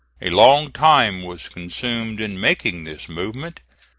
A long time was consumed in making this movement.